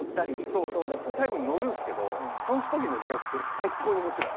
最後に乗るんですけどその時のリアクション最高に面白い。